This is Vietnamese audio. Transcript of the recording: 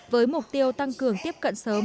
với mục tiêu tăng cường tiếp cận sớm